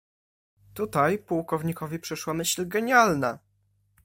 "Tutaj pułkownikowi przyszła myśl genialna."